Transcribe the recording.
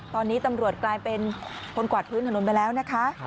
ตอนนี้ตำรวจกลายเป็นคนกวาดพื้นถนนไปแล้วนะคะ